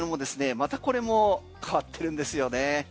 またこれも変わってるんですよね。